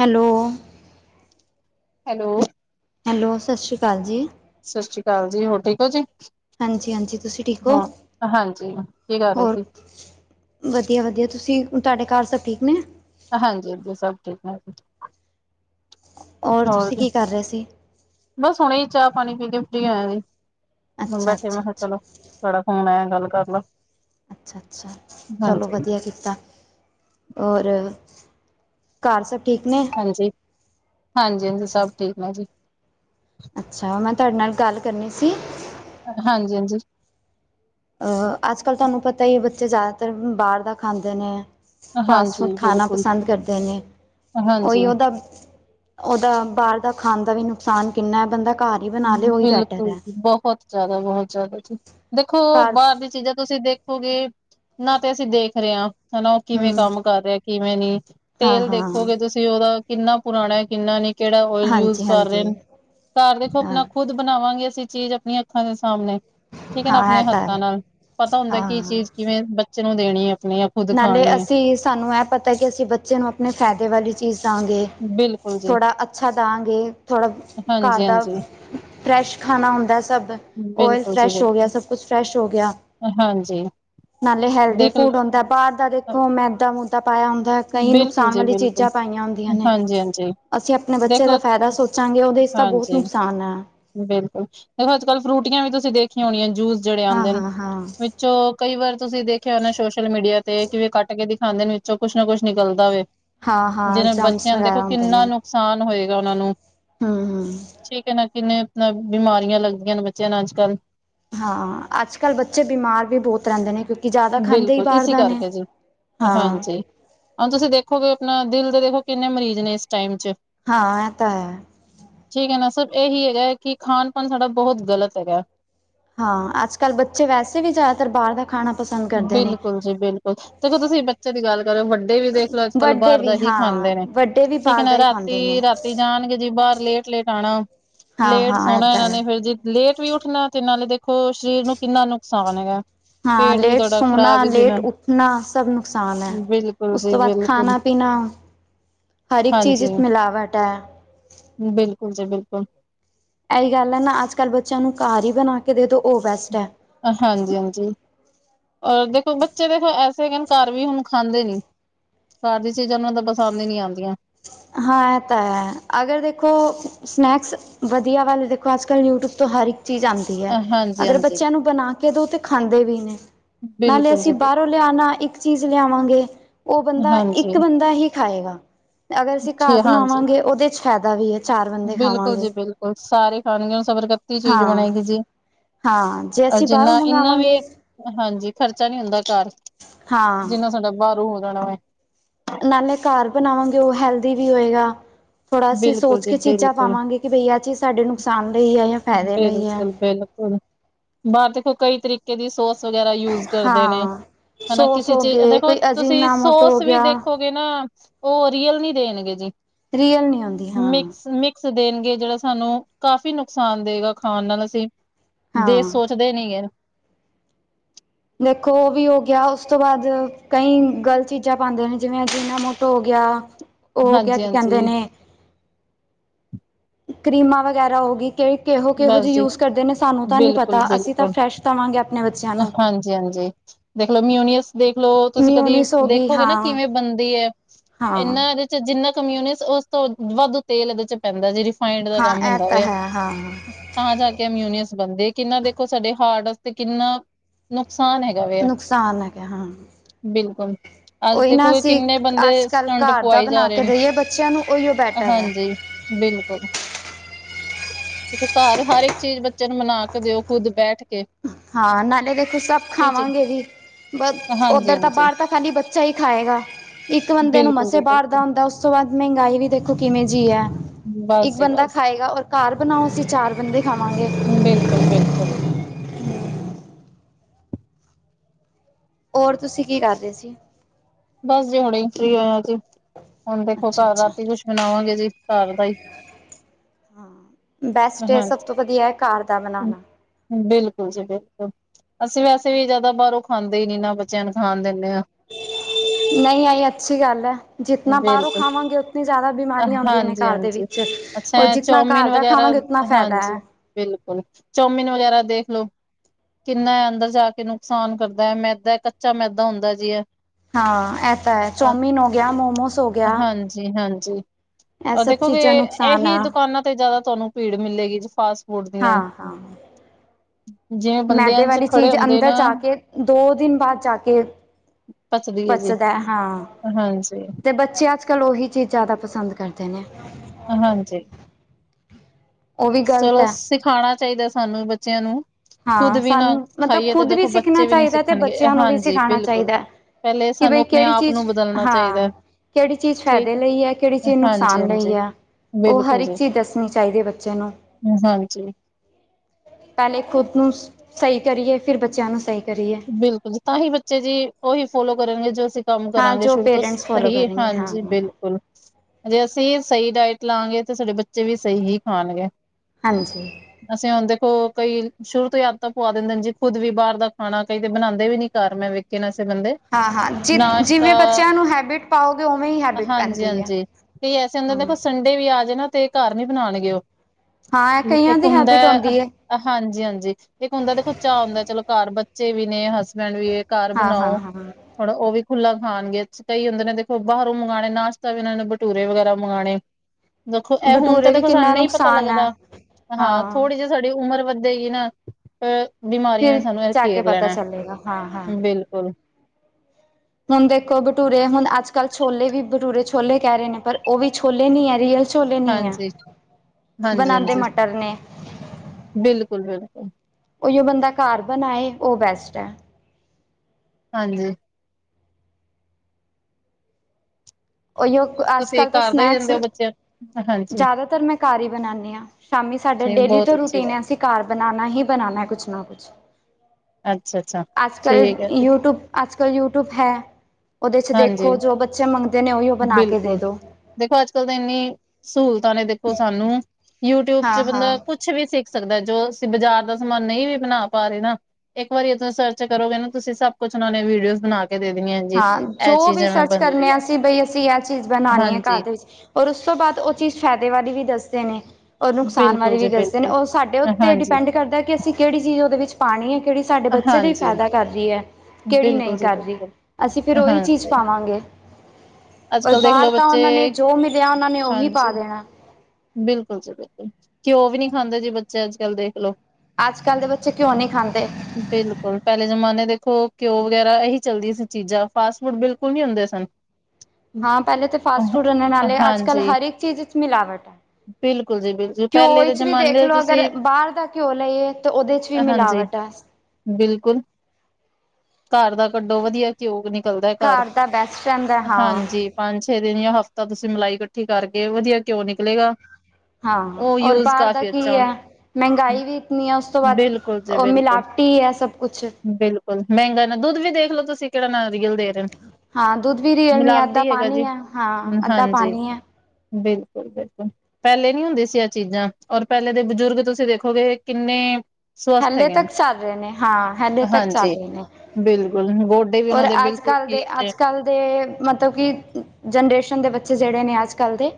Hello! Hello. Hello, ਸਤਿ ਸ਼੍ਰੀ ਅਕਾਲ ਜੀ। ਸਤਿ ਸ਼੍ਰੀ ਅਕਾਲ ਜੀ। ਹੋਰ, ਠੀਕ ਹੋ ਜੀ? ਹਾਂਜੀ-ਹਾਂਜੀ। ਤੁਸੀਂ ਠੀਕ ਹੋ, ਹਾਂ ਹਾਂਜੀ ਕੀ ਕਰ ਰਹੇ ਹੋਰ? ਸੀ ਵਧੀਆ-ਵਧੀਆ। ਤੁਸੀਂ, ਤੁਹਾਡੇ ਘਰ ਸਭ ਠੀਕ ਨੇ? ਹਾਂਜੀ-ਹਾਂਜੀ, ਸਭ ਠੀਕ ਹੈ। ਔਰ, ਤੁਸੀਂ ਕੀ ਕਰ ਰਹੇ ਸੀ? ਬਸ ਹੁਣੇ, ਚਾਹ-ਪਾਣੀ ਪੀਕੇ ਫ੍ਰੀ ਹੋਇਆਂ ਜੀ, ਹੁਣ ਅੱਛਾ ਬੈਠੇ, ਅੱਛਾ ਮੈਂ ਕਿਹਾ ਅੱਛਾ ਚਲੋ ਤਵਾਡਾ ਫੋਨ ਆਇਆ, ਗੱਲ ਕਰਲਾ। ਅੱਛਾ-ਅੱਛਾ, ਚਲੋ ਵਧੀਆ ਕੀਤਾ। ਓਰ---ਘਰ ਸਭ ਠੀਕ ਨੇ? ਹਾਂਜੀ। ਹਾਂਜੀ-ਹਾਂਜੀ, ਅੱਛਾ ਸਭ ਠੀਕ ਨੇ ਜੀ। ਅੱਛਾ। ਮੈਂ, ਤੁਹਾਡੇ ਨਾਲ ਗੱਲ ਕਰਨੀ ਸੀ। ਹਾਂਜੀ-ਹਾਂਜੀ। ਅ ਅੱਜ-ਕੱਲ ਤੁਹਾਨੂੰ ਪਤਾ ਹੀ ਆ, ਬੱਚੇ ਜ਼ਿਆਦਾਤਰ ਬਾਹਰ ਦਾ ਖਾਂਦੇ ਨੇ ਫਾਸਟ-ਫੂਡ ਹਾਂਜੀ ਖਾਣਾ ਬਿਲਕੁਲ ਪਸੰਦ ਕਰਦੇ ਨੇ। ਹਾਂਜੀ ਉਹੀ ਓਹਦਾ ਉਹਦਾ ਬਾਹਰ ਦਾ ਖਾਣ ਦਾ ਵੀ ਨੁਕਸਾਨ ਕਿੰਨਾ ਐ, ਬੰਦਾ ਘਰ ਹੀ ਬਣਾਲੇ ਉਹੀ ਬੈਟਰ ਬਿਲਕੁਲ ਹੈ। ਜੀ, ਬਹੁਤ ਜ਼ਿਆਦਾ, ਬਹੁਤ ਜ਼ਿਆਦਾ ਜੀ, ਦੇਖੋ ਘਰ ਬਾਹਰ ਦੀਆਂ ਚੀਜ਼ਾਂ ਤੁਸੀਂ ਦੇਖ ਹੋ ਗਏ, ਨਾ ਤੇ, ਅਸੀਂ ਦੇਖ ਰਹੇ ਹਾਂ। ਹਨਾ, ਉਹ ਕਿਵੇਂ ਹਮ ਕੰਮ ਕਰ ਰਿਹਾ, ਕਿਵੇਂ ਨੀ। ਹਾਂ ਤੇਲ ਹਾਂ ਦੇਖੋਗੇ ਤੁਸੀਂ ਉਹਦਾ ਕਿੰਨਾ ਪੁਰਾਣਾ ਕਿੰਨਾ ਨ ਕਿਹੜਾ ਓਇਲ ਯੂਜ ਹਾਂਜੀ ਕਰ ਰਹੇ ਹਾਂਜੀ ਨੇ ਘਰ ਦੇਖੋ ਹਾਂ ਆਪਣਾ ਖੁਦ ਬਣਾਵਾਂਗੇ ਅਸੀਂ ਚੀਜ਼ ਆਪਣੀਆਂ ਅੱਖਾਂ ਦੇ ਸਾਹਮਣੇ ਠੀਕ ਹੈ ਨਾ ਹਾਂ ਆਪਣੇ ਇਹ ਤਾਂ ਹੱਥਾਂ ਹੈ ਨਾਲ ਪਤਾ ਹੁੰਦਾ ਕਿ ਇਹ ਹਾਂ ਚੀਜ਼ ਕਿਵੇਂ ਬੱਚੇ ਨੂੰ ਦੇਣੀ ਹੈ ਆਪਣੀ ਜਾਂ ਖੁਦ ਨਾਲੇ ਖਾਣੀ ਹੈ। ਅਸੀਂ ਸਾਨੂੰ ਇਹ ਪਤਾ ਕਿ ਅਸੀਂ ਬੱਚੇ ਨੂੰ ਆਪਣੇ ਫਾਇਦੇ ਵਾਲੀ ਚੀਜ਼ ਦਵਗੇ ਬਿਲਕੁਲ ਜੀ, ਥੋੜਾ ਅੱਛਾ ਦਾਗੇ ਥੋੜਾ ਘਰ ਹਾਂਜੀ, ਦਾ ਹਾਂਜੀ ਫਰੈਸ਼ ਖਾਣਾ ਹੁੰਦਾ ਸਭ ਓਇਲ ਬਿਲਕੁਲ ਜੀ ਫਰੈਸ਼ ਹੋ ਗਿਆ ਬਿਲਕੁਲ। ਸਭ ਕੁਛ ਫਰੈਸ਼ ਹੋ ਗਿਆ। ਹਾਂਜੀ। ਨਾਲੇ ਹੈਲਦੀ ਦੇਖ ਫੂਡ ਲ- ਹੁੰਦਾ। ਬਾਹਰ ਦਾ ਦੇਖੋ, ਮੈਦਾ-ਮੁੱਦਾ ਪਾਇਆ ਹੁੰਦਾ ਕਈ ਬਿਲਕੁਲ ਨੁਕਸਾਨ ਜੀ ਵਾਲੀ, ਬਿਲਕੁਲ। ਚੀਜ਼ਾਂ ਪਾਈਆਂ ਹੁੰਦੀਆਂ ਨੇ। ਹਾਂਜੀ-ਹਾਂਜੀ ਅਸੀ ਆਪਣੇ ਬੱਚੇ ਦਾ ਦੇਖਲੋ ਫਾਇਦਾ ਸੋਚਾਂਗੇ, ਉਹਦੇ ਇਚ ਦਾ ਬਹੁਤ ਹਾਂਜੀ ਨੁਕਸਾਨ ਹੈ। ਬਿਲਕੁਲ ਦੇਖੋ, ਅੱਜਯ-ਕੱਲ ਫਰੂਟੀਆਂ ਵੀ ਤੁਸੀਂ ਦੇਖੀਆਂ ਹੋਣੀਆਂ, ਜੂਸ ਜਿਹੜੇ ਹਾਂ ਆਂਦੇ ਨੇ, ਹਾਂ ਹਾਂ ਵਿੱਚੋਂ ਕਈ ਵਾਰ ਤੁਸੀਂ ਦੇਖਿਆ ਹੋ ਨਾ ਸੋਸ਼ਲ ਮੀਡੀਆ ਤੇ ਕਿਵੇ ਕੱਟ ਕੇ ਦਿਖਾਦੇ ਨੇ ਵਿੱਚੋਂ ਕੁਛ ਨਾ ਕੁਛ ਨਿਕਲਦਾ ਵੇ। ਹਾਂ-ਹਾਂ ਜਿਵੇੇ ਜਮਸ ਬੱਚਿਆਂ ਨੂੰ ਦੇਖੋ ਵਗੈਰਾ ਕਿੰਨਾ ਨੁਕਸਾਨ ਹੋਏਗਾ ਉਹਨਾਂ ਨੂੰ ਹੰਮ ਠੀਕ ਹੈ ਨਾ ਕਿੰਨੇ ਆਪ ਬਿਮਾਰੀਆਂ ਲੱਗਦੀਆਂ ਨੇ ਬੱਚਿਆਂ ਨੂੰ ਅੱਜ ਕੱਲ੍ਹ ਹਾਂ ਅੱਜ ਕੱਲ ਬੱਚੇ ਬਿਮਾਰ ਵੀ ਬਹੁਤ ਰਹਿੰਦੇ ਨੇ ਕਿਉ ਕਿ ਜ਼ਿਆਦਾ ਖਾਂਦੇ ਹੀ ਬਿਲਕੁਲ ਬਾਹਰ ਇਸੀ ਦਾ ਨੇ ਹਾਂ ਹੁਨ ਤੁਸੀਂ ਦੇਖੋਗੇ ਆਪਣਾ ਦਿਲ ਦੇ ਦੇਖੋ ਕਿੰਨੇ ਮਰੀਜ਼ ਨੇ ਇਸ ਟਾਈਮ ਚ ਹਾਂ ਐ ਤਾਂ ਹੈ। ਠੀਕ ਹੈ ਨਾ ਸਰ ਇਹੀ ਹੈਗਾ ਕਿ ਖਾਣ ਪਾਣ ਸਾਡਾ ਬਹੁਤ ਗ਼ਲਤ ਹੈਗਾ। ਹਾਂ ਅੱਜ ਕੱਲ੍ਹ ਬੱਚੇ ਵੈਸੇ ਵੀ ਜ਼ਿਆਦਾਤਰ ਬਾਹਰ ਦਾ ਖਾਣਾ ਪਸੰਦ ਕਰਦੇ ਨੇ ਬਿਲਕੁਲ ਜੀ ਬਿਲਕੁਲ ਦੇਖੋ ਤੁਸੀਂ ਬੱਚੇ ਦੀ ਗੱਲ ਕਰਿ ਵੱਡੇ ਵੀ ਦੇਖ ਲਓ ਅੱਜ ਕੱਲ ਵੱਡੇ ਬਾਹਰ ਦਾ ਵੀ ਹੀ ਹਾਂ ਖਾਂਦੇ ਨੇ ਵੱਡੇ ਵੀ ਠੀਕ ਹੈ ਬਾਹਰ ਦਾ ਨਾ ਹੀ ਖਾਂਦੇ ਰਾਤੀ ਨੇ ਰਾਤੀ ਜਾਣਗੇ ਜੀ ਬਾਹਰ ਲੇਟ ਲੇਟ ਆਉਣਾ। ਲੇਟ ਹਾਂ-ਹਾਂ ਇਹ ਸੋਹਣਾ ਤਾਂ ਇਹਨਾਂ ਹੈ ਨੇ ਫਿਰ ਜੇ ਲੇਟ ਵੀ ਉੱਠਣਾ ਤੇ ਨਾਲੇ ਦੇਖੋ ਸਰੀਰ ਨੂੰ ਕਿੰਨਾ ਨੁਕਸਾਨ ਹੈਗਾ। ਹਾਂ ਪੇਟ ਵੀ ਲੇਟ ਤੁਹਾਡਾ ਸੋਨਾ ਖ਼ਰਾਬ ਹੀ ਸੀ ਲੇਟ ਨਾ ਉੱਠਨਾ ਸਭ ਨੁਕਸਾਨ ਹੈ। ਬਿਲਕੁਲ ਉਸ ਜੀ ਤੋਂ ਬਾਅਦ ਬਿਲਕੁਲ ਖਾਨਾ ਪੀਣਾ ਹਰ ਇੱਕ ਚੀਜ਼ ਹਾਂਜੀ ਵਿਚ ਮਿਲਾਵਟ ਹੈ। ਬਿਲਕੁਲ ਜੀ ਬਿਲਕੁਲ। ਇਹੀ ਗੱਲ ਹੈ ਨਾ ਅੱਜ ਕੱਲ੍ਹ ਬੱਚਿਆਂ ਨੂੰ ਘਰ ਹੀ ਬਣਾ ਕੇ ਦੇ ਦੋ ਉਹ ਬੈਸਟ ਹੈ। ਹਾਂਜੀ ਹਾਂਜੀ। ਔਰ ਦੇਖੋ ਬੱਚੇ ਦੇਖੋ ਐਸੇ ਘਰ ਵੀ ਹੁਣ ਖਾਂਦੇ ਨੀ ਸਾਰੀਆਂ ਚੀਜ਼ਾਂ ਉਹਨਾਂ ਨੂੰ ਤਾਂ ਪਸੰਦ ਹੀ ਨਹੀਂ ਆਉਂਦੀਆਂ। ਹਾਂ ਤਾਂ ਹੈ ਅਗਰ ਦੇਖੋ ਸਨੈਕਸ ਵਧੀਆ ਵੱਲ ਦੇਖੋ ਅੱਜ ਕੱਲ੍ਹ ਯੂਟਿਊਬ ਤੋਂ ਹਰ ਇੱਕ ਚੀਜ਼ ਆਉਂਦੀ। ਹਾਂਜੀ ਅਗਰ ਹਾਂਜੀ ਬੱਚਿਆਂ ਨੂੰ ਬਣਾ ਕੇ ਦੋ ਤੇ ਖਾਂਦੇ ਵੀ ਨੇ ਨਾਲੇ ਬਿਲਕੁਲ ਜੀ ਅਸੀਂ ਬਾਹਰੋਂ ਲਿਆਣਾ ਇੱਕ ਚੀਜ਼ ਲਿਆਵਾਂਗੇ ਉਹ ਬਿਲ- ਬੰਦਾ ਹਾਂਜੀ ਇੱਕ ਬੰਦਾ ਹੀ ਖਾਏਗਾ। ਅਗਰ ਅਸੀਂ ਠੀ ਘਰ ਹਾਂਜੀ ਬਣਾਵਾਂਗੇ ਉਹਦੇ ਚ ਫਾਇਦਾ ਵੀ ਹੈ ਚਾਰ ਬੰਦੇ ਬਿਲਕੁਲ ਖਾਵਾਂਗੇ। ਜੀ ਬਿਲਕੁਲ ਸਾਰੇ ਖਾਣਗੇੀਆਂ ਨੂੰ ਸਬਰ ਕਰ ਚੀਜ਼ ਹਾਂ ਬਣੇਗੀ ਜੀ ਹਾਂ ਜੇ ਔਰ ਅਸੀਂ ਬਾਹਰੋਂ ਜਿੰਨਾ ਇਨਾ ਮੰਗਵਾਵਾਂਗੇ ਵੀ ਹਾਂਜੀ ਖਰਚਾ ਨੀ ਹੁੰਦਾ ਘਰ ਹਾਂ ਜਿੰਨਾ ਸਾਡਾ ਬਾਹਰੋ ਹੋ ਜਾਣਾ ਵੇ ਨਾਲੇ ਘਰ ਬਣਾਵਾਂਗੇ ਉਹ ਹੈਲਦੀ ਵੀ ਹੋਏਗਾ। ਥੋੜ੍ਹਾ ਅਸੀਂ ਬਿਲਕੁਲ ਸੋਚ ਜੀ ਕੇ ਚੀਜ਼ਾਂ ਬਿਲਕੁਲ ਪਾਵਾਂਗੇ ਕਿ ਬਈ ਆਹ ਚੀਜ਼ ਸਾਡੇ ਨੁਕਸਾਨ ਲਈ ਹੈ ਜਾਂ ਫਾਇਦੇ ਲਈ ਹੈ। ਬਿਲਕੁਲ ਬਿਲਕੁਲ। ਬਾਹਰ ਦੇਖੋ ਕਈ ਤਰੀਕੇ ਦੀ ਸੋਚ ਵਗੈਰਾ ਯੂਜ ਕਰਦੇ ਨੇ ਹਾਂ ਹਨਾ ਸੋਸ ਕਿਸੇ ਹੋ ਚੀਜ਼ ਗਏ ਦੇਖੋ ਕੋਈ ਤੁਸੀਂ ਅਜੀਨਾ ਮੋਟੋ ਹੋ ਸੋਸ ਵੀ ਗਿਆ ਦੇਖੋ ਨਾ ਉਹ ਰੀਅਲ ਨੀ ਦੇਣਗੇ ਜੀ। ਰੀਅਲ ਨ ਮਿਕਸ ਮਿਕਸ ਦੇਣਗੇ ਜਿਹੜਾ ਸਾਨੂੰ ਕਾਫ਼ੀ ਨੁਕਸਾਨ ਦੇਵੇਗਾ ਖਾਣ ਨਾਲ ਅਸੀਂ ਹਾਂ ਦੇਸ਼ ਸੋਚਦੇ ਨ ਏ ਦੇਖੋ ਉਹ ਵੀ ਹੋ ਗਿਆ ਉਸ ਤੋਂ ਬਾਅਦ ਕਈ ਗਲਤ ਚੀਜ਼ਾਂ ਪਾਉਂਦੇ ਨੇ ਜਿਵੇਂ ਜਿਨਾਂ ਹੋ ਗਿਆ ਉਹ ਹੋ ਗਿਆ ਹਾਂਜੀ ਕੀ ਕਹਿੰਦੇ ਹਾਂਜੀ ਨੇ ਕਰੀਮਾਂ ਵਗੈਰਾ ਹੋ ਗਈ ਕਿਹ ਕਿਹੋ ਕਿਹੋ ਬਸ ਜਿਹੇ ਜੀ ਯੂਜ ਕਰਦੇ ਨੇ ਸਾਨੂੰ ਤਾਂ ਨਹੀ ਪਤਾ ਅਸੀਂ ਤਾਂ ਫਰੈਸ਼ ਦੇਵਾਂਗੇ। ਆਪਣੇ ਬੱਚਿਆਂ ਨੂੰ ਹਾਂਜੀ, ਹਾਂਜੀ ਦੇਖਲੋ ਮਿਊਨੀਅਸ ਦੇਖਲੋ ਤੁਸੀਂ ਕਦੀ ਮਿਊਨਿਸ ਹੋ ਗਈ ਦੇਖੋਗੇ ਨਾ ਹਾਂ ਕਿਵੇਂ ਬਣਦੀ ਐ, ਹਾਂ ਇਹਨਾਂ ਇਦੇ ਜਿੰਨਾ ਕ ਮਿਊਨਿਸ ਉਸ ਤੋਂ ਵੱਧ ਤੇਲ ਇਹਦੇ ਚ ਪੈਂਦਾ ਜੀ ਰਿਫਾਈੰਡ ਦਾ ਹਾਂ ਕੰਮ ਇਹ ਹੁੰਦਾ ਤਾਂ ਪਿਆ। ਹੈ ਹਾਂ ਤਾਂ ਜਾ ਕੇ ਅਮਿਊਨੀਅਸ ਬਨਦੇ ਕਿੰਨਾ ਦੇਖੋ ਸਾਡੇ ਹਾਰਟ ਵਾਸਤੇ ਕਿੰਨ ਨੁਕਸਾਨ ਹੈ ਨੁਕਸਾਨ ਹੈਗਾ, ਹਾਂ। ਬਿਲਕੁਲ। ਅੱਜ ਉਹੀ ਨਾ ਦੇਖੋਗੇ ਅਸੀਂ ਕਿੰਨੇ ਬੰਦੇ ਅੱਜ ਕੱਲ੍ਹ ਸਟੰਟ ਘਰ ਦਾ ਪਵਾਈ ਜਾ ਬਣਾ ਰਏ ਕੇ ਨੇ, ਦੇਈਏ ਬੱਚਿਆਂ ਨੂੰ ਉਹੀਓ ਬੈਟਰ ਹੈ ਹਾਂਜੀ। ਬਿਲਕੁਲ। ਘਰ ਹਰ ਇੱਕ ਚੀਜ਼ ਬੱਚੇ ਨੂੰ ਬਨਾ ਕੇ ਦਿਓ ਖੁੱਦ ਬੈਠ ਕੇ ਹਾਂ, ਨਾਲੇ ਵੇਖੋ ਸਬ ਕਿਉਂ ਜੀ ਖਾਵਾਂਗੇ ਵੀ ਬ ਉੱਧਰ ਤਾਂ ਹਾਂਜੀ-ਹਾਂਜੀ, ਬਾਅਰ ਤਾਂ ਖਾਲੀ ਬੱਚਾ ਈ ਖਾਏਗਾ, ਇੱਕ ਬੰਦੇ ਨੂੰ ਬਿਲਕੁਲ ਜੀ ਮਸੇ ਬਾਅਰ ਦਾ ਬਿਲਕੁਲ ਹੂੰਦਾ ਉ ਉਸ ਤੋਂ ਵੱਧ ਮਹਿੰਗਾਈ ਵੀ ਦੇਖੋ ਕਿਵੇਂ ਜਿ ਐ, ਇੱਕ ਬਸ ਜੀ ਬੰਦਾ ਬਸ ਖਾਏਗਾ ਓਰ ਘਰ ਬਣਾਓ ਅਸੀਂ ਚਾਰ ਬੰਦੇ ਖਾਵਾਂਗੇ। ਬਿਲਕੁਲ-ਬਿਲਕੁਲ। ਓਰ ਤੁਸੀਂ ਕੀ ਕਰਦੇ ਸੀ। ਬਸ ਜੀ ਹੁਣੇ ਈ ਫ੍ਰੀ ਹੋਏ ਆ ਜੀ, ਹੁਣ ਦੇਖੋ ਅੱਛਾ ਘਰ ਅੱਛਾ ਰਾਤੀ ਕੁਛ ਬਨਾਵਾਂਗੇ ਜੀ ਘਰ ਦਾ ਈ। ਹਾਂ, ਬੈਸਟ ਏ, ਸਬ ਹਾਂਜੀ ਤੋਂ ਵਦੀਆ ਏ ਘਰ ਦਾ ਬਣਾਣਾ। ਬਿਲਕੁਲ ਜੀ ਬਿਲਕੁਲ। ਅਸੀਂ ਵੈਸੇ ਵੀ ਜੈਦਾ ਬਾਹਰੋਂ ਖਾਂਦੇ ਈ ਨੀ ਨਾ ਬੱਚਿਆਂ ਨੂੰ ਖਾਣ ਦੇਨੇ ਆ। ਨਈ ਆਈ ਅੱਛੀ ਗੱਲ ਐ। ਜਿਤਨਾ ਬਾਰੋਂ ਬਿਲਕੁਲ ਖਾਵਾਂਗੇ ਉਤਨੀ ਜੈਦਾ ਬਿਮਾਰੀਆਂ ਹੁੰਦੀਆਂ ਨੇ ਹਾਂਜੀ ਘਰ ਦੇ ਹਾਂਜੀ ਵਿੱਚ, ਓਰ ਅੱਛਾ ਜਿਤਨਾ ਚੌਮਿਨ ਘਰ ਦਾ ਵਗੈਰਾ ਖਾਵਾਂਗੇ ਕਿਤਨਾ ਫੈਦਾ ਹਾਂਜੀ ਐ। ਬਿਲਕੁਲ, ਚੌਮਿਨ ਵਗੈਰਾ ਦੇਖਲੋ ਕਿੰਨਾ ਐ ਅੰਦਰ ਜਾ ਕੇ ਨੁਕਸਾਨ ਕਰਦਾ ਐ, ਮੈਦਾ, ਕੱਚਾ ਮੈਦਾ ਹੁੰਦਾ ਜੇ ਇਹ। ਹਾਂ, ਐ ਤਾਂ ਹੈ ਚੌਮਿਨ ਹੋ ਗਿਆ ਮੋਮੋਸ ਹੋ ਗ ਹਾਂਜੀ, ਹਾਂਜੀ ਸਭ ਦੇਖੋਗੇ ਚੀਜ਼ਾਂ ਨੁਕਸਾਨ ਇਹੀ ਆ ਦੁਕਾਨਾਂ ਤੇ ਜੈਦਾ ਤੁਆਨੂੰ ਭੀੜ ਮਿਲੇਗੀ ਫਾਸਟ ਫੂਡ ਦੀਆਂ ਹੀ ਹਾਂ, ਹਾਂ। ਜਿਵੇਂ ਮੈਦੇ ਬੰਦਿਆਂ ਚ ਵਾਲੀ ਖੜੇ ਚੀਜ਼ ਹੁੰਦੇ ਅੰਦਰ ਨਾ ਜਾ ਕੇ, ਦੋ ਦਿਨ ਬਾਦ ਜਾ ਕੇ ਪਚਦੀ ਹੈ ਜੀ ਪਚਦੈ ਹਾਂ, ਹਾਂਜੀ ਤੇ ਬੱਚੇ ਅੱਜ ਕੱਲ ਉਹੀ ਚੀਜ਼ ਜੈਦਾ ਪਸੰਦ ਕਰਦੇ ਨੇ। ਹਾਂਜੀ। ਉਹ ਵੀ ਗ਼ਲਤ ਚਲੋ ਹੈ ਸਿਖਾਣਾ ਚਾਈਦਾ ਸਾਨੂੰ ਬੱਚਿਆਂ ਨੂੰ ਖੁਦ ਹਾਂ ਵੀ ਨਾ ਸਾਨੂੰ ਮਤਲਬ ਖਾਈਏ ਤੇ ਖੁਦ ਦੇਖੋ ਸਿੱਖਣਾ ਬੱਚੇ ਵੀ ਨਈ ਚਾਹੀਦਾ ਤੇ ਸਿੱਖਣਗੇ, ਅ ਬੱਚਿਆਂ ਨੂੰ ਵੀ ਹਾਂਜੀ, ਸਿਖਾਉਣਾ ਬਿਲਕੁਲ। ਚਾਹੀਦਾ ਹੈ ਪੈਲੇ ਸਾਨੂੰ ਅਪਣੇ ਆਪ ਨੂੰ ਬਦਲਣਾ ਚਾਈਦੈ। ਕੇੜੀ ਚੀਜ਼ ਫਾਇਦੇ ਲਈ ਐ, ਕੇੜੀ ਚੀਜ਼ ਹਾਂਜੀ ਨੁਕਸਾਨ ਲਈ ਹਾਂਜੀ ਐ, ਉਹ ਹਰ ਬਿਲਕੁਲ ਇੱਕ ਜੀ ਚੀਜ਼ ਦੱਸ ਨੀ ਚਾਈਦੀ ਬੱਚੇ ਨੂੰ ਹਾਂਜੀ। ਪੈਲੇ ਖੁਦ ਨੂੰ ਸਈ ਕਰੀਏ ਫਿਰ ਬੱਚਿਆਂ ਨੂੰ ਸਈ ਕਰੀਏ। ਬਿਲਕੁਲ ਤਾਂ ਹੀ ਬੱਚੇ ਜੀ ਉਹੀ ਫੋਲੋ ਕਰਨਗੇ ਜੋ ਅਸੀਂ ਕੰਮ ਹਾਂ ਕਰਾਂਗੇ ਜੋ ਸ਼ੁਰੂ ਤੋਂ ਪੇਰੈਂਟਸ ਫੋਲੋ ਸਹੀ ਕਰੇਗੇ ਹਾਂ ਹਾਂਜੀ, ਹਾਂ ਬਿਲਕੁਲ। ਜੇ ਅਸੀਂ ਸਈ ਡਾਇਟ ਲਾਂਗੇ ਤੇ ਸਾਡੇ ਬੱਚੇ ਵੀ ਸਈ ਹੀ ਖਾਣਗੇ। ਹਾਂਜੀ। ਅਸੀਂ ਹੁਣ ਦੇਖੋ ਕਈ ਸ਼ੁਰੂ ਤੋਂ ਈ ਆਦਤਾਂ ਪਵਾ ਦਿੰਦੇ ਨੇ ਜੀ ਖੁਦ ਵੀ ਬਾਰ ਦਾ ਖਾਣਾ, ਕਈ ਤੇ ਬਣਾਂਦੇ ਵੀ ਨੀ ਘਰ ਮੈਂ ਵੇਖੇ ਨੇ ਐਸੇ ਬੰਦੇ। ਹਾਂ ਹਾਂ ਜਿ ਨਾਸ਼ਤਾ, ਜਿਵੇਂ ਬੱਚਿਆਂ ਨੂੰ ਹੈਬਿਟ ਪਾਓਗੇ ਉਵੇਂ ਹੀ ਹੈਬਿਟ ਪੈਂਦੀ ਹੈ। ਹਾਂਜੀ-ਹਾਂਜੀ, ਕਈ ਐਸੇ ਹੁੰਦੇ ਹਾਂ ਦੇਖੋ ਸੰ ਡੇ ਵੀ ਆ ਜੇ ਨਾ ਤੇ ਘਰ ਨੀ ਬਣਾਣਗੇ ਓ। ਹਾਂ ਕਈਆਂ ਇੱਕ ਦੀ ਹੁੰਦੈ ਹੈਬਿਟ ਹੁੰਦੀ ਹੈ ਹਾਂਜੀ-ਹਾਂਜੀ ਇੱਕ ਹੁੰਦਾ ਦੇਖੋ ਚਾਅ ਹੋਂਦਾ, ਚਲੋ ਘਰ ਬੱਚੇ ਵੀ ਨੇ ਹਸਬੈਂਡ ਵੀ ਏ ਘਰ ਹਾਂ ਹਾਂ ਬਨਾਓ। ਹਾਂ। ਹੁਣ ਉਹ ਵੀ ਖੁੱਲਾ ਖਾਣਗੇ। ਕਈ ਹੁੰਦੇ ਨੇ ਦੇਖੋ ਬਾਹਰੋਂ ਮੰਗਾਣੇ ਨਾਸ਼ਤਾ ਵੀ ਉਹਨਾਂ ਨੇ ਬਟੂਰੇ ਵਗੈਰਾ ਮੰਗਾਣੇ। ਦੇਖੋ ਐ ਹੁਨ ਤਾਂ ਭਟੂਰੇ ਵੀ ਦੇਖੋ ਸਾਨੂੰ ਕਿੰਨਾ ਨਈ ਪਤਾ ਨੁਕਸਾਨ ਹੈ। ਲੱਗਦਾ ਹਾਂ ਥੋੜ੍ਹੀ ਜ ਸਾਡੀ ਉਮਰ ਵੱਧੇਗੀ ਨਾ ਅ ਬਿਮਾਰੀਆਂ ਨੇ ਸਾਨੂੰ ਆ ਕੇ ਘੇਰ ਪਤਾ ਲੈਣਾ ਚੱਲੇਗਾ, ਹਾਂ-ਹਾਂ। [inaudible] ਹੁਣ ਦੇਖੋ ਬਟੂਰੇ ਹੁਣ ਅੱਜ ਕੱਲ੍ਹ ਛੋਲੇ ਵੀ ਬਟੂਰੇ ਛੋਲੇ ਕਹਿ ਰਹੇ ਨੇ ਪਰ ਉਹ ਵੀ ਛੋਲੇ ਨੀ ਐ ਰੀਅਲ ਛੋਲੇ ਨੀ ਐ ਹਾਂਜੀ ਹਾਂਜੀ ਬਨਾਂਦੇ ਹਾਂਜੀ ਮਟਰ ਨੇ। ਬਿਲਕੁਲ ਬਿਲਕੁਲ ਓਇਓ ਬੰਦਾ ਘਰ ਬਨਾਏ ਉਹ ਬੈਸਟ ਐ। ਹਾਂਜੀ। ਓਇਓ ਅੱਜ ਤੁਸੀਂ ਕੱਲ ਤਾਂ ਘਰ ਦਾ ਹੀ ਸਨੈਕਸ ਦਿੰਦੇ ਹੋ ਬੱਚਿਆਂ ਨੂੰ? ਹਾਂਜੀ ਜ਼ਆਦਾਤਰ ਮੈਂ ਘਰ ਈ ਬਨਾਨੀ ਆ। ਸ਼ਾਮੀ ਸਾਡਾ ਜੀ ਡੇਲੀ ਬਹੁਤ ਤੋਂ ਅੱਛੀ ਰੂਟੀਨ ਗੱਲ ਐ ਅਸੀਂ ਘਰ ਬਨਾਨਾ ਹੀ ਬਨਾਨਾ ਕੁਛ ਨਾ ਕੁਛ। ਅੱਛਾ ਅੱਛਾ ਅਜ ਕੱਲ ਠੀਕ ਹੈ ਜੀ ਯੂਟੁਬ ਅੱਜ ਕੱਲ੍ਹ ਯੂਟੁਪ ਹੈ ਉਹਦੇ ਚ ਹਾਂਜੀ ਦੇਖੋ ਜੋ ਬੱਚੇ ਮੰਗ ਬਿਲਕੁਲ ਦੇਖੋ ਅੱਜ ਕੱਲ ਤੇ ਏਨੀ ਸੂਲਤਾਂ ਨੇ ਦੇਖੋ ਸਾਨੂੰ। ਯੂਟਿਊਬ ਚ ਹਾਂ ਹਾਂ ਬੰਦਾ ਕੁਛ ਵੀ ਸਿੱਖ ਸਕਦਾ ਜੋ ਅਸੀਂ ਬਾਜ਼ਾਰ ਦਾ ਸਮਾਨ ਨਈ ਵੀ ਬਨਾ ਪਾ ਰੇ ਨਾ। ਏਕ ਵਰੀ ਉਥੇ ਸਰਚ ਕਰੋਗੇ ਨਾ ਤੁਸੀਂ ਸਭ ਕੁਛ ਉਹਨਾਂ ਨੇ ਵੀਡੀਓਜ਼ ਬਨਾ ਕੇ ਦੇ ਦੇਣੀਐ ਏਜ ਈ। ਹਾਂ ਜੋ ਵੀ ਸਰਚ ਕਰਨੇ ਆ ਅਸੀਂ ਬਈ ਅਸੀਂ ਇਹ ਚੀਜ਼ ਬਨਾਨੀ ਐ ਘਰ ਹਾਂਜੀ ਦੇ ਵੀ ਔਰ ਉਸ ਤੋਂ ਬਾਅਦ ਉਹ ਚੀਜ਼ ਫਾਇਦੇ ਵਾਲੀ ਵੀ ਦੱਸਦੇ ਨੇ। ਔਰ ਨੁਕਸਾਨ ਬਿਲਕੁਲ ਵਾਲੀ ਵੀ ਜੀ ਦੱਸਦੇ ਨੇ ਬਿਲਕੁਲ ਉਹ ਸਾਡੇ ਉੱਤੇ ਹਾਂਜੀ ਡਿਪੈਂਡ ਕਰਦੇ ਕਿ ਅਸੀਂ ਕੇੜੀ ਚੀਜ਼ ਉਹਦੇ ਵਿੱਚ ਪਾਨੀ ਐ ਕੇੜੀ ਸਾਡੇ ਬੱਚੇ ਲਈ ਹਾਂਜੀ, ਫਾਇਦਾ ਹਾਂਜੀ, ਕਰਦੀ ਐ ਕੇੜੀ ਨਈ ਬਿਲਕੁਲ ਜੀ ਕਰਦੀ। ਬਿਲਕੁਲ, ਅਸੀਂ ਫੇਰ ਓਈ ਚੀਜ਼ ਹਾਂਜੀ। ਪਾਵਾਂਗੇ। ਔਰ ਅੱਜ-ਕੱਲ ਦੇਖ ਬਾਹਰ ਲੋ ਤਾਂ ਬੱਚੇ ਓਹਨਾ ਨੂੰ ਜੋ ਮਿਲਿਆ ਓਹਨਾਂ ਨੇ ਓਹੀ ਪਾ ਹਾਂਜੀ, ਦੇਣਾ। ਬਿਲਕੁਲ ਜੀ ਬਿਲਕੁਲ ਘਿਓ ਵੀ ਨੀ ਖਾਂਦੇ ਜੀ ਬੱਚੇ ਅੱਜ ਕੱਲ੍ਹ ਦੇਖਲੋ। ਅੱਜ ਕੱਲ੍ਹ ਦੇ ਬੱਚੇ ਘਿਓ ਨੀ ਖਾਂਦੇ। ਬਿਲਕੁਲ ਪਹਿਲੇ ਜਮਾਨੇ ਦੇਖੋ ਘਿਉ ਵਗੈਰਾ ਏਹੀ ਚੱਲਦੀਆਂ ਸੀ ਚੀਜ਼ਾ ਫਾਸਟ ਫੂਡ ਬਿਲਕੁਲ ਨੀ ਹੁੰਦੇ ਸਨ। ਹਾਂ ਪਹਿਲੇ ਤੇ ਫਾਸਟ ਫੂਡ ਰੰਣਣ ਆਲੇ ਅੱਜ ਕੱਲ੍ਹ ਹਾਂਜੀ, ਹਰ ਇੱਕ ਚੀਜ਼ ਵਿੱਚ ਮਿਲਾਵਟ ਐ। ਬਿਲਕੁਲ ਜੀ ਬਿਲਕੁਲ ਪਹਿਲੇ ਘਿਓ ਦੇ ਚ ਵੀ ਜਮਾਨੇ ਦੇਖਲੋ ਅਗਰ ਤੁਸੀਂ ਬਾਹਰ ਦਾ ਘਿਓ ਲਈਏ ਤੇ ਉਹਦੇ ਚ ਵੀ ਹਾਂਜੀ, ਮਿਲਾਵਟ ਐ। ਬਿਲਕੁਲ ਘਰ ਦਾ ਕੱਢੋ ਵਧੀਆ ਘਿਓ ਨਿਕਲਦਾ ਘਰ ਦਾ ਬੈਸਟ ਰਹਿੰਦਾ ਹਾਂ ਹਾਂਜੀ। ਪੰਜ ਛੇ ਦਿਨ ਯਾਂ ਹਫ਼ਤਾ ਤੁਸੀਂ ਮਲਾਈ ਕੱਠੀ ਕਰਕੇ ਵਧੀਆ ਘਿਓ ਨਿਕਲੇਗਾ। ਹਾਂ ਉਹ ਔਰ ਯੂਜ ਬਾਹਰ ਦਾ ਕਾਫ਼ੀ ਕੀ ਅੱਛਾ ਐ ਮਹਿੰਗਾਈ ਵੀ ਇਤਨੀ ਐ ਉਸ ਤੋਂ ਵੱਧ ਬਿਲਕੁਲ ਜੀ ਓਹ ਬਿਲਕੁਲ। ਮਿਲਾਵਟੀ ਐ ਸਭ ਕੁਛ। ਬਿਲਕੁਲ ਮਹਿੰਗਾ ਨਾ ਦੁੱਧ ਵੀ ਦੇਖ ਲੋ ਤੁਸੀਂ ਕੇੜਾ ਨ ਰੀਅਲ ਦੇ ਰਹੇ ਨੇ ਹਾਂ ਦੁੱਧ ਵੀ ਰੀਅਲ ਨੀ ਐ ਅੱਧਾ ਮਿਲਾਵਟੀ ਹੈਗਾ ਪਾਨੀ ਜੀ। ਐ ਹਾਂ ਅੱਧਾ ਪਾਨੀ ਐ। ਬਿਲਕੁਲ ਬਿਲਕੁਲ। ਪਹਿਲੇ ਨੀ ਹੁੰਦੀ ਸੀ ਇਹ ਚੀਜ਼ਾਂ ਔਰ ਪਹਿਲੇ ਦੇ ਬਜ਼ੁਰਗ ਤੁਸੀਂ ਦੇਖੋਗੇ ਕਿੰਨੇ ਸਵਸਥ ਹਲੇੇ ਹੈਗੇ ਨੇ ਤੱਕ ਚੱਲ ਰਹੇ ਨੇ ਹਾਂ ਹਲੇੇ ਤੱਕ ਚੱਲ ਹਾਂਜੀ ਰਹੇ ਨੇ। ਬਿਲਕੁਲ ਗੋ ਔਰ ਅੱਜ ਕੱਲ ਦੇ ਅੱਜ ਕੱਲ ਦੇ ਮਲ ਮਤਲਬ ਕਿ ਜਨਰੇਸ਼ਨ ਦੇ ਬੱਚੇ ਜਿਹੜੇ ਨੇ ਅੱਜ ਕੱਲ੍ਹ ਦੇ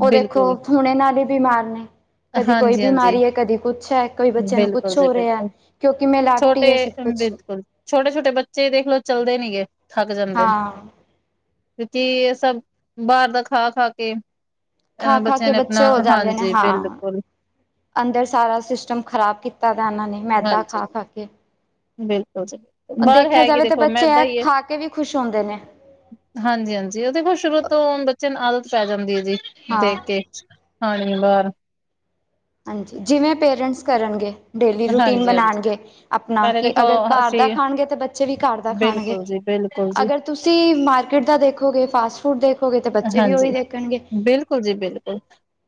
ਓਹ ਦੇਖੋ ਬਿਲਕੁਲ ਹੁਨੇ ਨਾਲ ਹੀ ਬਿਮਾਰ ਨੇ। ਕਦੀ ਕੋਈ ਹਾਂਜੀ-ਹਾਂਜੀ ਬਿਮਾਰੀ ਐ ਕਦੀ ਕੁਛ ਐ ਕੋਈ ਬੱਚਿਆਂ ਨੂੰ ਬਿਲਕੁਲ ਕੁੱਛ ਜੀ ਹੋ ਰਿਹਾ ਬਿਲਕੁਲ ਕਿਉਂਕਿ ਮੈ ਲਾਵਟਿ ਛੋਟੇ ਹੈ ਕੁਛ ਬਿਲਕੁਲ ਛੋਟੇ-ਛੋਟੇ ਬੱਚੇ ਦੇਖਲੋ ਚੱਲਦੇ ਨੀ ਏ ਥੱਕ ਜਾਂਦੇ ਨੇ। ਹਾਂ ਕੁਕੀ ਏ ਸਭ ਬਾਹਰ ਦਾ ਖਾ-ਖਾ ਕੇ ਅ ਖਾ-ਖਾ ਬੱਚਿਆਂ ਕੇ ਨੇ ਬੱਚੇ ਆਪਣਾ ਹੋ ਜਾਂਦੇ ਨੇ ਹਾਂਜੀ ਹਾਂ। ਬਿਲਕੁਲ ਅੰਦਰ ਸਾਰਾ ਸਿਸਟਮ ਖ਼ਰਾਬ ਕੀਤਾ ਦਾ ਇਹਨਾਂ ਨੇ ਮੈਦਾ ਹਾਂਜੀ, ਖਾ-ਖਾ ਕੇ। ਬਿਲਕੁਲ ਜੀ। ਬਾਹਰ ਦੇਖਿਆ ਹੈ ਕਿ ਜਾਵੇ ਤੇ ਦੇਖੋ ਬੱਚੇ ਮੈਦਾ ਐ ਈ ਏ। ਖਾ ਕੇ ਵੀ ਖੁਸ਼ ਹੁੰਦੇ ਨੇ। ਹਾਂਜੀ-ਹਾਂਜੀ ਉਹ ਦੇਖੋ ਸ਼ੁਰੂ ਤੋਂ ਬੱਚੇ ਨੂੰ ਆਦਤ ਪੈ ਜਾਂਦੀ ਹੈ ਜੀ ਦੇਖ ਹਾਂ ਕੇ। ਹਾਣੀ ਬਾਹਰ ਜਿਵੇਂ ਪੇਰੈਂਟਸ ਕਰਨਗੇ। ਡੇਲੀ ਰੂਟੀਨ ਹਾਂਜੀ-ਹਾਂਜੀ। ਬਣਾਉਣਗੇ। ਆਪਣਾ ਪਹਿਲੇ ਕਿ ਦੇਖੋ ਅਗਰ ਘਰ ਦਾ ਅਸੀਂ ਖਾਣਗੇ ਤਾਂ ਬੱਚੇ ਵੀ ਘਰ ਦਾ ਖਾਣਗੇ। ਬਿਲਕੁਲ ਜੀ, ਬਿਲਕੁਲ ਜੀ। ਅਗਰ ਤੁਸੀਂ ਮਾਰਕੀਟ ਦਾ ਦੇਖੋਗੇ, ਫਾਸਟ ਫੂਡ ਦੇਖੋ, ਹਾਂਜੀ। ਬਿਲਕੁਲ ਜੀ, ਬਿਲਕੁਲ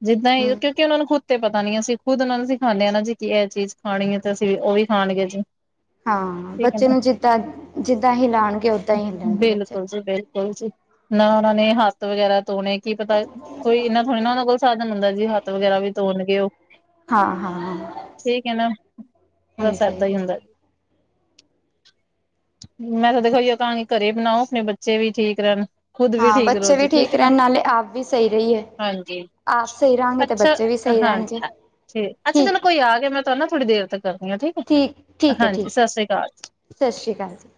ਜਿੱਦਾਂ ਹੀ ਹਮ ਕਿਉਂਕਿ ਉਹਨਾਂ ਨੂੰ ਖੁ ਤੇ ਪਤਾ ਨੀ ਅਸੀਂ ਖੁਦ ਉਹਨਾ ਨੂੰ ਸੀ ਖਾਂਦੇ ਹ ਨਾ ਜੀ ਕੀ ਇਹ ਚੀਜ਼ ਖਾਣੀ ਹੈ ਤੇ ਅਸੀਂ ਉਹ ਵੀ ਖਾਣਗੇ ਜੀ। ਹਾਂ, ਠੀਕ ਐ ਬੱਚੇ ਨਾ, ਨੂੰ ਜਿੱਦਾਂ ਜਿੱਦਾਂ ਹੀ ਲਉਣਗੇ ਓਦਾਂ ਹੀ ਹਲਣਗੇ ਬੱਚੇ। ਬਿਲਕੁਲ ਜੀ ਨਾ ਓਹਨਾ ਨੇ ਹਥ ਹੱਥ ਵਗੈਰਾ ਧੋਣੇ ਕੀ ਪਤਾ ਕੋਈ ਇਨਾ ਥੋੜ੍ਹੀ ਨਾ ਉਹਨਾਂ ਕੋਲ ਸਾਧਨ ਹੁੰਦਾ ਜੀ ਹੱਥ ਵਗੈਰਾ ਵੀ ਧੋਣਗੇ ਉਹ। ਹਾਂ- ਹਾਂ- ਹਾਂ। ਠੀਕ ਹੈ ਨਾ। ਬਸ ਹਾਂਜੀ ਇਦਾਂ ਹੀ ਹੁੰਦਾ। [inaudible] ਮੈਂ ਤਾਂ ਦੇਖੋ ਜ ਤਾਂ ਹੀ ਘਰੇ ਬਣਾਓ ਆਪਣੇ ਬੱਚੇ ਵੀ ਠੀਕ ਰਹਿਣ ਖੁੱਦ ਵੀ ਹਾਂ ਠੀਕ ਰੋਹੋ। ਬੱਚੇ ਵੀ ਠੀਕ ਰਹਿਣ ਨਾਲੇ ਆਪ ਵੀ ਸਹੀ ਰਹੀ ਏ। ਹਾਂਜੀ। ਅੱਛਾ। ਸਹੀ ਰਹਿਣਗੇ ਹਾਂਜੀ, ਠੀਕ ਅੱਛਾ ਚਲੋ ਕੋਈ ਆ, ਕੇ ਮੈਂ ਤੁਹਾਨਾ ਥੋੜੀ ਦੇਰ ਤੱਕ ਕਰਦੀ ਹਾਂ ਠੀਕ। ਠੀਕ ਹੈ ਹਾਂਜੀ, ਠੀਕ ਸਤਿ ਸ੍ਰੀ ਅਕਾਲ। ਸਤਿ ਸ਼੍ਰੀ ਅਕਾਲ ਜੀ।